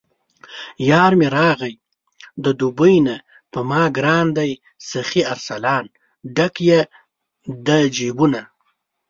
یارمې راغلی د دوبۍ نه په ماګران دی سخي ارسلان، ډک یې د جېبونه